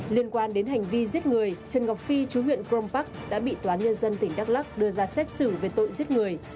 liên quan đến hành vi giết người trần ngọc phi chú huyện crompac đã bị toán nhân dân tỉnh đắk lắc đưa ra xét xử về tội giết người